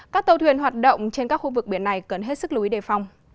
các tàu thuyền hoạt động trên các khu vực biển này cần hết sức lúi đề phòng